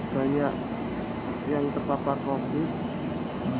banyak yang terpapar covid sembilan belas